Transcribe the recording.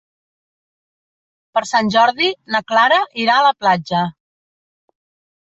Per Sant Jordi na Clara irà a la platja.